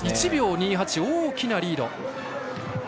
１秒２８、大きなリード。